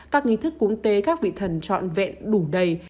các nghi thức cúng tế các vị thần trọn vẹn đủ đầy